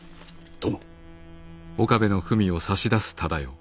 殿！